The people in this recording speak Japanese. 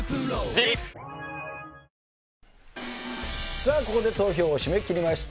さあここで投票を締め切りました。